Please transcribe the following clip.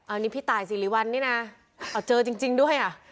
อันนี้พี่ตายสิริวัลนี่นะเอาเจอจริงด้วยอ่ะ